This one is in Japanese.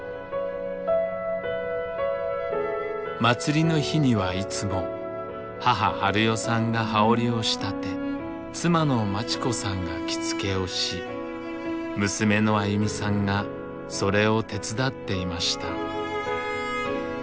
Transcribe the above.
祭りの日にはいつも母ハルヨさんが羽織を仕立て妻のまち子さんが着付けをし娘のあゆみさんがそれを手伝っていました。